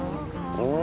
うん？